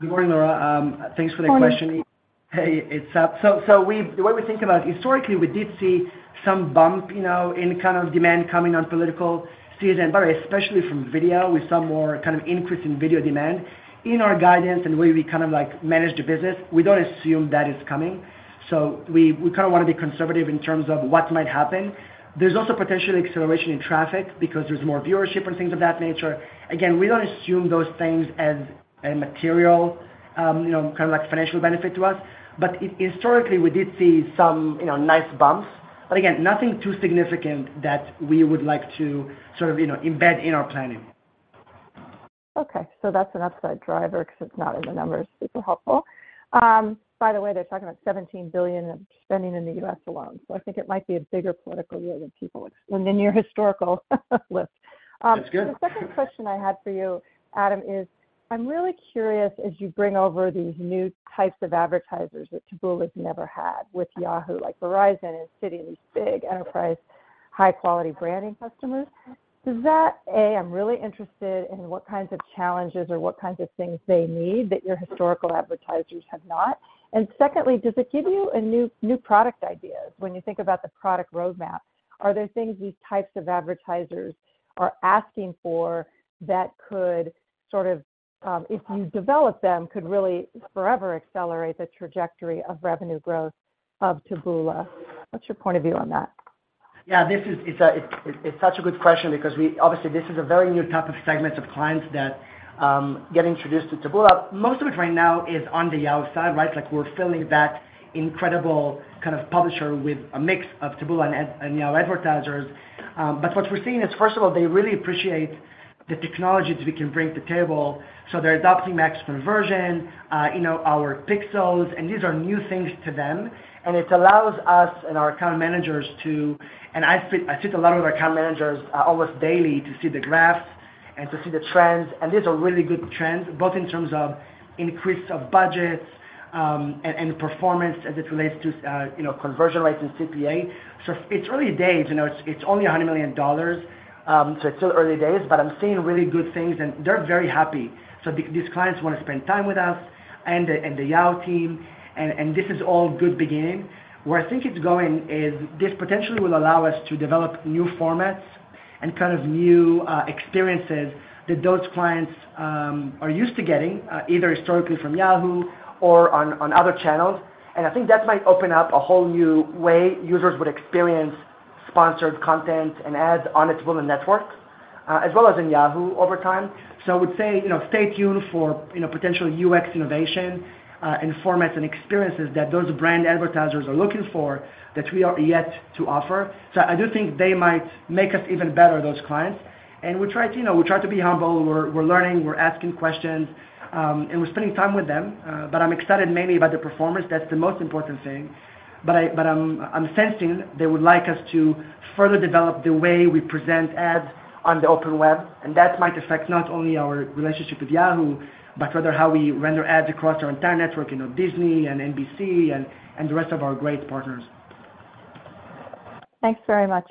Speaker 3: Good morning, Laura. Thanks for the question.
Speaker 7: Good morning.
Speaker 3: Hey, it's up. So the way we think about it, historically, we did see some bump in kind of demand coming on political season, but especially from video. We saw more kind of increase in video demand. In our guidance and the way we kind of manage the business, we don't assume that is coming. So we kind of want to be conservative in terms of what might happen. There's also potentially acceleration in traffic because there's more viewership and things of that nature. Again, we don't assume those things as a material kind of financial benefit to us. But historically, we did see some nice bumps, but again, nothing too significant that we would like to sort of embed in our planning.
Speaker 7: Okay. So that's an upside driver because it's not in the numbers. Super helpful. By the way, they're talking about $17 billion spending in the U.S. alone. So I think it might be a bigger political year than your historical list.
Speaker 3: That's good.
Speaker 7: The second question I had for you, Adam, is I'm really curious, as you bring over these new types of advertisers that Taboola has never had with Yahoo!, like Verizon and Citi, these big enterprise, high-quality branding customers, does that, A, I'm really interested in what kinds of challenges or what kinds of things they need that your historical advertisers have not? And secondly, does it give you new product ideas? When you think about the product roadmap, are there things these types of advertisers are asking for that could sort of, if you develop them, could really forever accelerate the trajectory of revenue growth of Taboola? What's your point of view on that?
Speaker 3: Yeah. It's such a good question because obviously, this is a very new type of segments of clients that get introduced to Taboola. Most of it right now is on the Yahoo! side, right? We're filling that incredible kind of publisher with a mix of Taboola and Yahoo! advertisers. But what we're seeing is, first of all, they really appreciate the technology that we can bring to the table. So they're adopting max conversion, our pixels, and these are new things to them. And it allows us and our account managers to and I sit a lot with our account managers almost daily to see the graphs and to see the trends. And these are really good trends, both in terms of increase of budgets and performance as it relates to conversion rates and CPA. So it's early days. It's only $100 million. So it's still early days, but I'm seeing really good things, and they're very happy. So these clients want to spend time with us and the Yahoo! team, and this is all a good beginning. Where I think it's going is this potentially will allow us to develop new formats and kind of new experiences that those clients are used to getting, either historically from Yahoo! or on other channels. And I think that might open up a whole new way users would experience sponsored content and ads on the Taboola networks, as well as in Yahoo! over time. So I would say stay tuned for potential UX innovation and formats and experiences that those brand advertisers are looking for that we are yet to offer. So I do think they might make us even better, those clients. And we try to be humble. We're learning. We're asking questions, and we're spending time with them. But I'm excited mainly about the performance. That's the most important thing. But I'm sensing they would like us to further develop the way we present ads on the open web. And that might affect not only our relationship with Yahoo! but rather how we render ads across our entire network, Disney and NBC and the rest of our great partners.
Speaker 7: Thanks very much.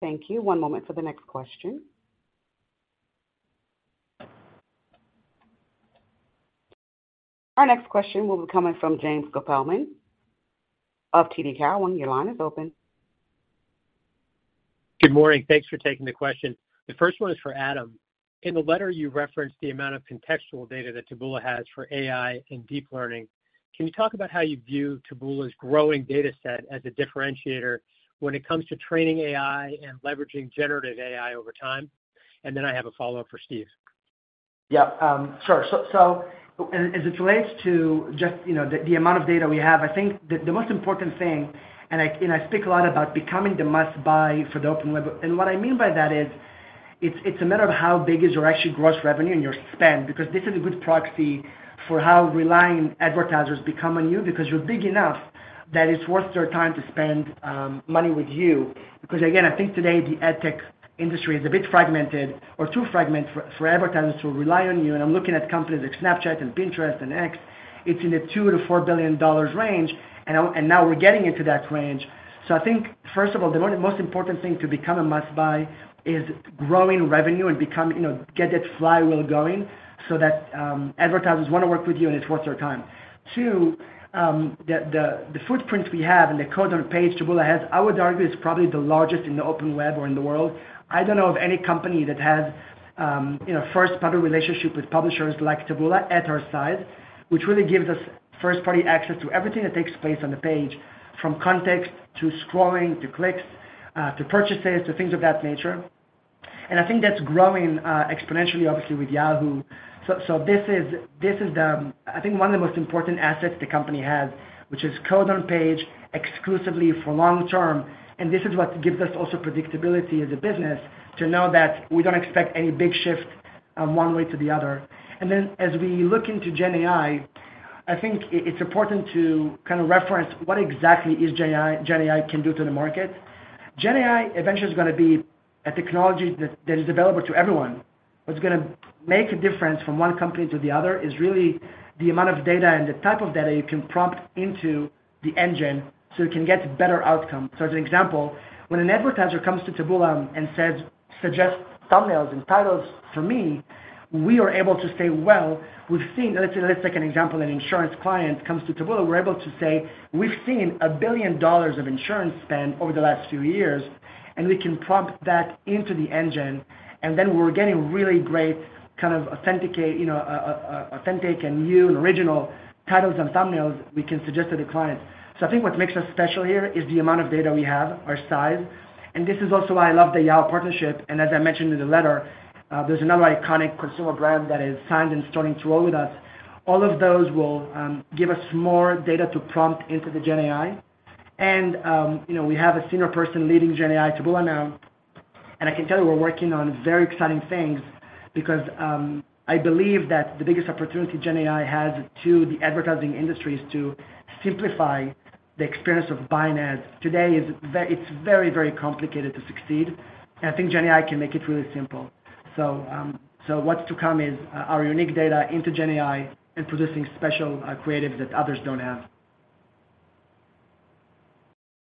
Speaker 1: Thank you. One moment for the next question. Our next question will be coming from James Kopelman of TD Cowen. Your line is open.
Speaker 8: Good morning. Thanks for taking the question. The first one is for Adam. In the letter, you referenced the amount of contextual data that Taboola has for AI and deep learning. Can you talk about how you view Taboola's growing dataset as a differentiator when it comes to training AI and leveraging generative AI over time? And then I have a follow-up for Steve.
Speaker 3: Yeah. Sure. So as it relates to just the amount of data we have, I think the most important thing and I speak a lot about becoming the must-buy for the open web. And what I mean by that is it's a matter of how big is your actually gross revenue and your spend because this is a good proxy for how relying advertisers become on you because you're big enough that it's worth their time to spend money with you. Because again, I think today the adtech industry is a bit fragmented or too fragmented for advertisers to rely on you. And I'm looking at companies like Snapchat and Pinterest and X. It's in the $2 billion-$4 billion range, and now we're getting into that range. So I think, first of all, the most important thing to become a must-buy is growing revenue and get that flywheel going so that advertisers want to work with you, and it's worth their time. Two, the footprint we have and the code on the page Taboola has, I would argue, is probably the largest in the open web or in the world. I don't know of any company that has a first-party relationship with publishers like Taboola at our size, which really gives us first-party access to everything that takes place on the page, from context to scrolling to clicks to purchases to things of that nature. And I think that's growing exponentially, obviously, with Yahoo!. So this is, I think, one of the most important assets the company has, which is code on page exclusively for long term. And this is what gives us also predictability as a business to know that we don't expect any big shift one way to the other. And then as we look into GenAI, I think it's important to kind of reference what exactly GenAI can do to the market. GenAI eventually is going to be a technology that is available to everyone. What's going to make a difference from one company to the other is really the amount of data and the type of data you can prompt into the engine so you can get better outcomes. So as an example, when an advertiser comes to Taboola and says, "Suggest thumbnails and titles for me," we are able to say, "Well, we've seen," let's take an example. An insurance client comes to Taboola. We're able to say, "We've seen $1 billion of insurance spend over the last few years, and we can prompt that into the engine." And then we're getting really great kind of authentic and new and original titles and thumbnails we can suggest to the clients. So I think what makes us special here is the amount of data we have, our size. And this is also why I love the Yahoo! partnership. And as I mentioned in the letter, there's another iconic consumer brand that is signed and starting to roll with us. All of those will give us more data to prompt into the GenAI. And we have a senior person leading GenAI, Taboola now. And I can tell you we're working on very exciting things because I believe that the biggest opportunity GenAI has to the advertising industry is to simplify the experience of buying ads. Today, it's very, very complicated to succeed. And I think GenAI can make it really simple. So what's to come is our unique data into GenAI and producing special creatives that others don't have.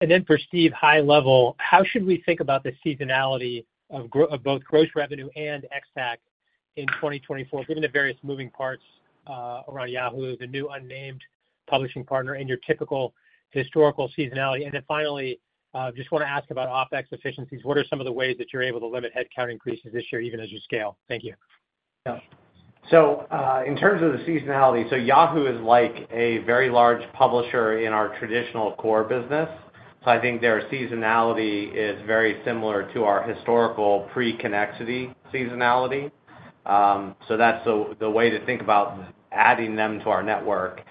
Speaker 8: And then for Steve, high level, how should we think about the seasonality of both gross revenue and Ex-TAC in 2024, given the various moving parts around Yahoo!, the new unnamed publishing partner, and your typical historical seasonality? And then finally, I just want to ask about OpEx efficiencies. What are some of the ways that you're able to limit headcount increases this year, even as you scale? Thank you.
Speaker 4: Yeah. So in terms of the seasonality, so Yahoo! is like a very large publisher in our traditional core business. So I think their seasonality is very similar to our historical pre-Connexity seasonality. So that's the way to think about adding them to our network.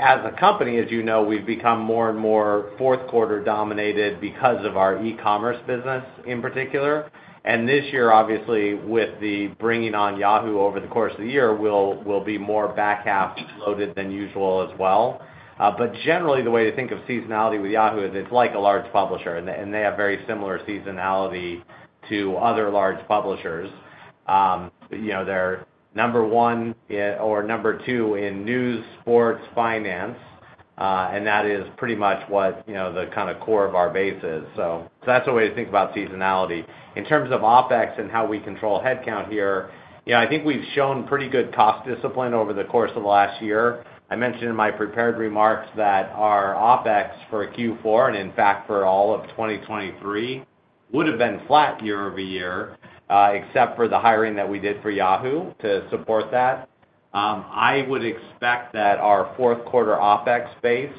Speaker 4: As a company, as you know, we've become more and more fourth-quarter dominated because of our e-commerce business in particular. And this year, obviously, with the bringing on Yahoo! over the course of the year, we'll be more back half loaded than usual as well. But generally, the way to think of seasonality with Yahoo! is it's like a large publisher, and they have very similar seasonality to other large publishers. They're number one or number two in news, sports, finance, and that is pretty much what the kind of core of our base is. So that's a way to think about seasonality. In terms of OpEx and how we control headcount here, I think we've shown pretty good cost discipline over the course of the last year. I mentioned in my prepared remarks that our OpEx for Q4 and, in fact, for all of 2023 would have been flat year over year, except for the hiring that we did for Yahoo! to support that. I would expect that our fourth-quarter OpEx base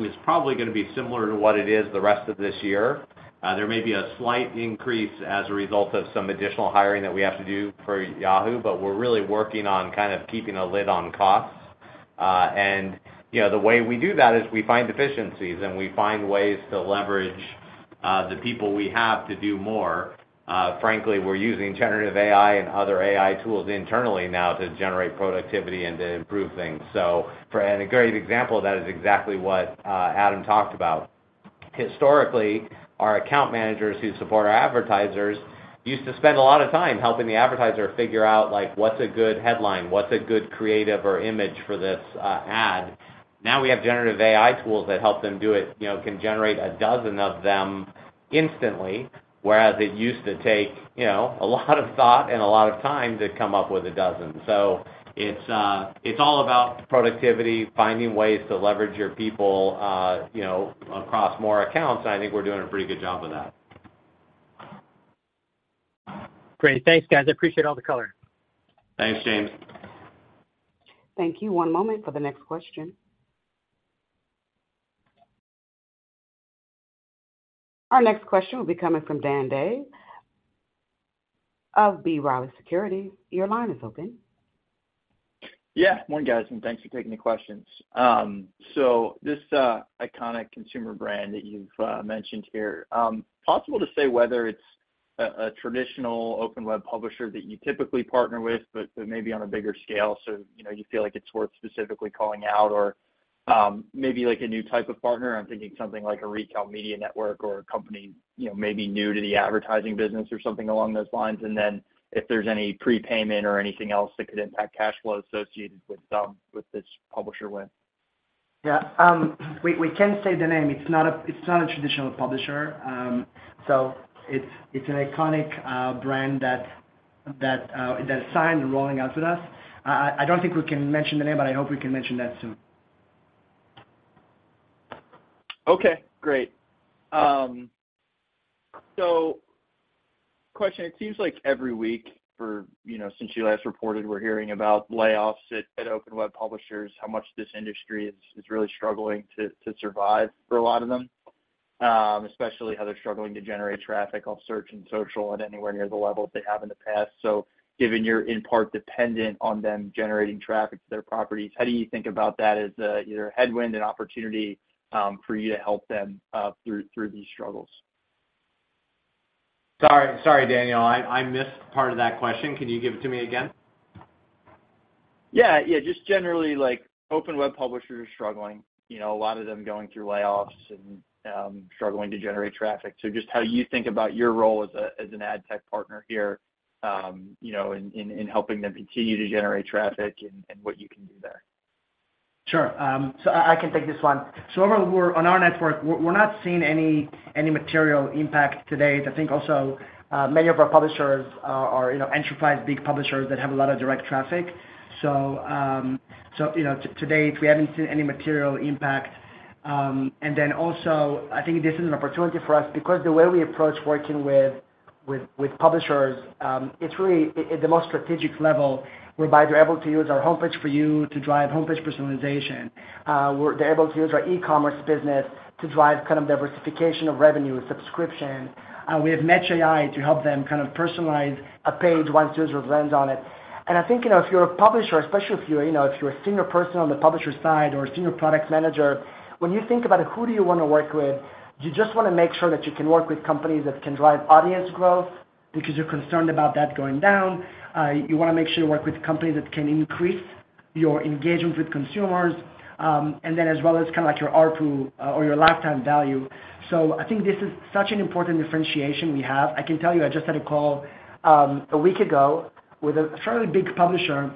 Speaker 4: is probably going to be similar to what it is the rest of this year. There may be a slight increase as a result of some additional hiring that we have to do for Yahoo!, but we're really working on kind of keeping a lid on costs. The way we do that is we find efficiencies, and we find ways to leverage the people we have to do more. Frankly, we're using generative AI and other AI tools internally now to generate productivity and to improve things. A great example of that is exactly what Adam talked about. Historically, our account managers who support our advertisers used to spend a lot of time helping the advertiser figure out what's a good headline, what's a good creative or image for this ad. Now we have generative AI tools that help them do it, can generate a dozen of them instantly, whereas it used to take a lot of thought and a lot of time to come up with a dozen. It's all about productivity, finding ways to leverage your people across more accounts, and I think we're doing a pretty good job of that.
Speaker 8: Great. Thanks, guys. I appreciate all the color.
Speaker 4: Thanks, James.
Speaker 1: Thank you. One moment for the next question. Our next question will be coming from Dan Day of B. Riley Securities. Your line is open.
Speaker 9: Yeah. Morning, guys, and thanks for taking the questions. So this iconic consumer brand that you've mentioned here, possible to say whether it's a traditional open web publisher that you typically partner with, but maybe on a bigger scale so you feel like it's worth specifically calling out, or maybe a new type of partner? I'm thinking something like a retail media network or a company maybe new to the advertising business or something along those lines. And then if there's any prepayment or anything else that could impact cash flow associated with this publisher with.
Speaker 3: Yeah. We can say the name. It's not a traditional publisher. So it's an iconic brand that's signed and rolling out with us. I don't think we can mention the name, but I hope we can mention that soon.
Speaker 9: Okay. Great. So question. It seems like every week since you last reported, we're hearing about layoffs at open web publishers, how much this industry is really struggling to survive for a lot of them, especially how they're struggling to generate traffic off search and social at anywhere near the level that they have in the past. So given you're in part dependent on them generating traffic to their properties, how do you think about that as either a headwind and opportunity for you to help them through these struggles?
Speaker 4: Sorry, Daniel. I missed part of that question. Can you give it to me again?
Speaker 9: Yeah. Yeah. Just generally, open web publishers are struggling, a lot of them going through layoffs and struggling to generate traffic. So just how you think about your role as an adtech partner here in helping them continue to generate traffic and what you can do there?
Speaker 3: Sure. So I can take this one. So overall, on our network, we're not seeing any material impact today. I think also many of our publishers are enterprise big publishers that have a lot of direct traffic. So to date, we haven't seen any material impact. And then also, I think this is an opportunity for us because the way we approach working with publishers, it's really at the most strategic level, whereby they're able to use our Homepage For You to drive homepage personalization. They're able to use our e-commerce business to drive kind of diversification of revenue, subscription. We have Match AI to help them kind of personalize a page once users land on it. I think if you're a publisher, especially if you're a senior person on the publisher side or a senior product manager, when you think about who do you want to work with, you just want to make sure that you can work with companies that can drive audience growth because you're concerned about that going down. You want to make sure you work with companies that can increase your engagement with consumers, and then as well as kind of your RPU or your lifetime value. So I think this is such an important differentiation we have. I can tell you, I just had a call a week ago with a fairly big publisher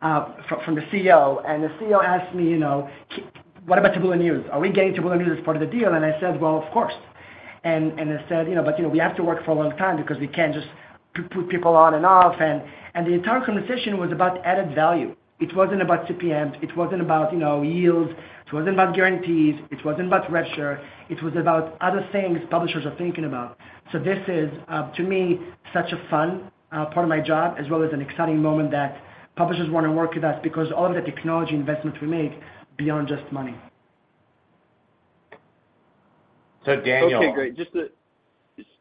Speaker 3: from the CEO, and the CEO asked me, "What about Taboola News? Are we getting Taboola News as part of the deal?" I said, "Well, of course." I said, "But we have to work for a long time because we can't just put people on and off." The entire conversation was about added value. It wasn't about CPM. It wasn't about yields. It wasn't about guarantees. It wasn't about rev share. It was about other things publishers are thinking about. This is, to me, such a fun part of my job as well as an exciting moment that publishers want to work with us because of all of the technology investment we make beyond just money.
Speaker 9: So Daniel. Okay. Great.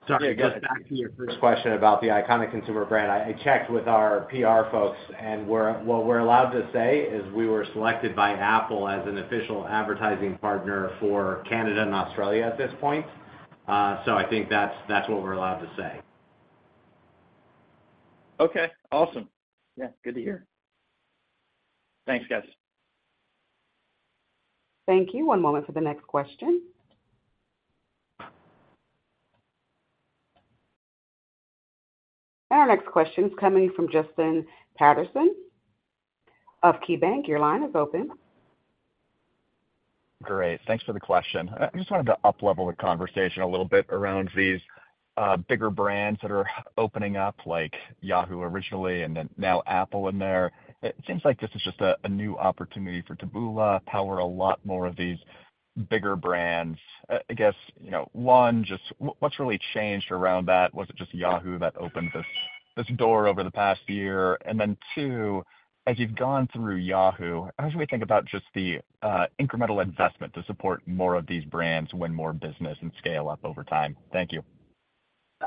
Speaker 4: Sorry. Just back to your first question about the iconic consumer brand. I checked with our PR folks, and what we're allowed to say is we were selected by Apple as an official advertising partner for Canada and Australia at this point. So I think that's what we're allowed to say.
Speaker 9: Okay. Awesome. Yeah. Good to hear. Thanks, guys.
Speaker 1: Thank you. One moment for the next question. Our next question is coming from Justin Patterson of KeyBanc. Your line is open.
Speaker 10: Great. Thanks for the question. I just wanted to uplevel the conversation a little bit around these bigger brands that are opening up, like Yahoo! originally and then now Apple in there. It seems like this is just a new opportunity for Taboola to power a lot more of these bigger brands. I guess, one, what's really changed around that? Was it just Yahoo! that opened this door over the past year? And then two, as you've gone through Yahoo!, how should we think about just the incremental investment to support more of these brands win more business and scale up over time? Thank you.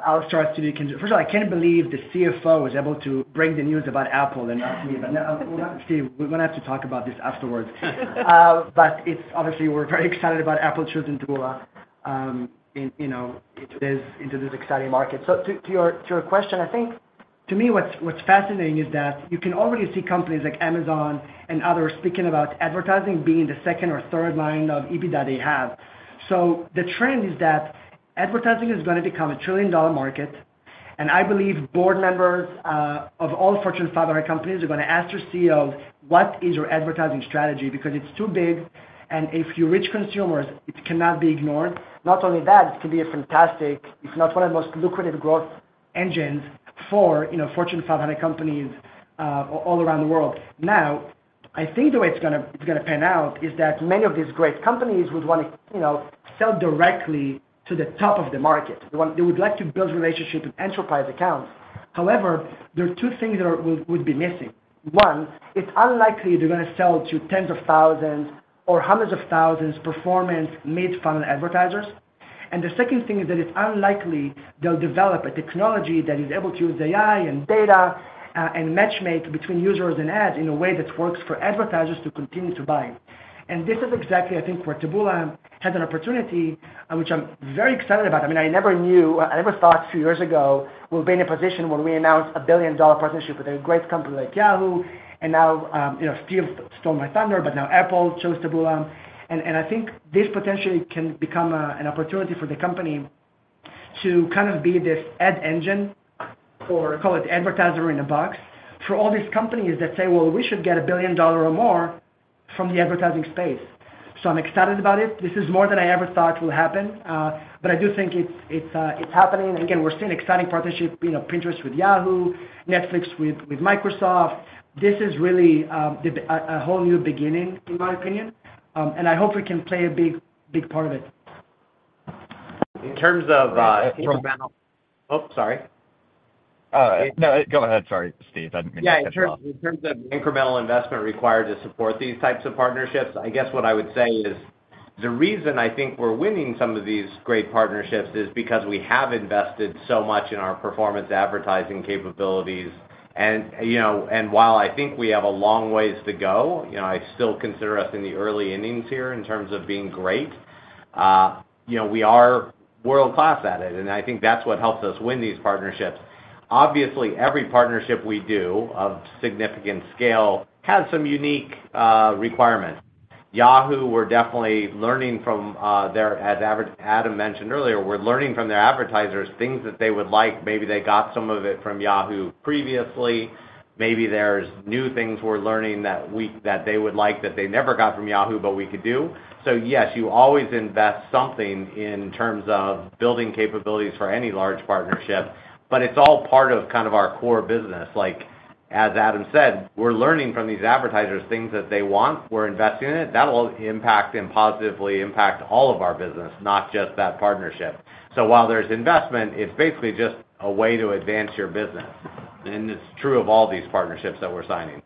Speaker 3: I'll start. First of all, I can't believe the CFO was able to bring the news about Apple and not me. But Steve, we're going to have to talk about this afterwards. But obviously, we're very excited about Apple choosing Taboola into this exciting market. So to your question, I think to me, what's fascinating is that you can already see companies like Amazon and others speaking about advertising being the second or third line of EBITDA they have. So the trend is that advertising is going to become a trillion-dollar market. And I believe board members of all Fortune 500 companies are going to ask their CEOs, "What is your advertising strategy?" because it's too big. And if you're rich consumers, it cannot be ignored. Not only that, it can be a fantastic, if not one of the most lucrative growth engines for Fortune 500 companies all around the world. Now, I think the way it's going to pan out is that many of these great companies would want to sell directly to the top of the market. They would like to build relationships with enterprise accounts. However, there are two things that would be missing. One, it's unlikely they're going to sell to tens of thousands or hundreds of thousands performance mid-funnel advertisers. And the second thing is that it's unlikely they'll develop a technology that is able to use AI and data and matchmake between users and ads in a way that works for advertisers to continue to buy. And this is exactly, I think, where Taboola has an opportunity which I'm very excited about. I mean, I never knew I never thought a few years ago we'll be in a position where we announce a billion-dollar partnership with a great company like Yahoo!. And now Stephen stole my thunder, but now Apple chose Taboola. And I think this potentially can become an opportunity for the company to kind of be this ad engine or call it advertiser in a box for all these companies that say, "Well, we should get a billion dollar or more from the advertising space." So I'm excited about it. This is more than I ever thought will happen. But I do think it's happening. And again, we're seeing exciting partnership: Pinterest with Yahoo!, Netflix with Microsoft. This is really a whole new beginning, in my opinion. And I hope we can play a big part of it.
Speaker 4: In terms of incremental. Oops. Sorry.
Speaker 10: No. Go ahead. Sorry, Steve. I didn't mean to cut you off.
Speaker 4: Yeah. In terms of incremental investment required to support these types of partnerships, I guess what I would say is the reason I think we're winning some of these great partnerships is because we have invested so much in our performance advertising capabilities. And while I think we have a long ways to go, I still consider us in the early innings here in terms of being great. We are world-class at it, and I think that's what helps us win these partnerships. Obviously, every partnership we do of significant scale has some unique requirements. Yahoo!, we're definitely learning from them, as Adam mentioned earlier. We're learning from their advertisers things that they would like. Maybe they got some of it from Yahoo! previously. Maybe there's new things we're learning that they would like that they never got from Yahoo! but we could do. So yes, you always invest something in terms of building capabilities for any large partnership, but it's all part of kind of our core business. As Adam said, we're learning from these advertisers things that they want. We're investing in it. That will positively impact all of our business, not just that partnership. So while there's investment, it's basically just a way to advance your business. And it's true of all these partnerships that we're signing.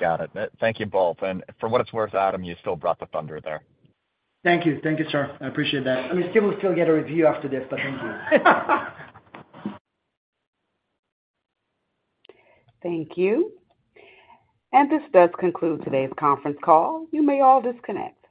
Speaker 10: Got it. Thank you both. And for what it's worth, Adam, you still brought the thunder there.
Speaker 3: Thank you. Thank you, sir. I appreciate that. I mean, Stephen will still get a review after this, but thank you.
Speaker 1: Thank you. This does conclude today's conference call. You may all disconnect.